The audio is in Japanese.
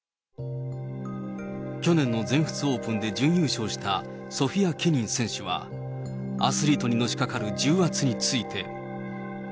去年の全仏オープンで準優勝したソフィア・ケニン選手はアスリートにのしかかる重圧について。